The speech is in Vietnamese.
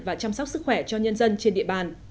và chăm sóc sức khỏe cho nhân dân trên địa bàn